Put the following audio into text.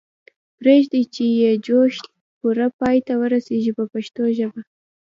پریږدئ چې یې په جوش پوره پای ته ورسیږي په پښتو ژبه.